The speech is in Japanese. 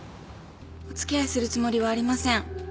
お付き合いするつもりはありません。